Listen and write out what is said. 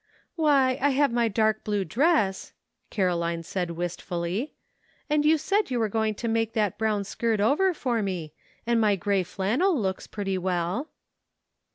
" Why, I have my dark blue dress," Caroline said wistfully, "and you said you were going to make that brown skirt over for me, and my gray flannel looks pretty well."